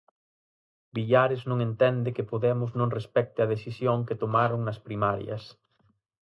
Villares non entende que Podemos non respecte a decisión que tomaron nas primarias.